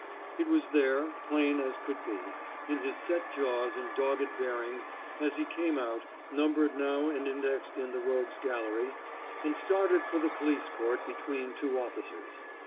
It was there, plain as could be, in his set jaws and dogged bearing as he came out, numbered now and indexed in the rogues' gallery, and started for the police court between two officers.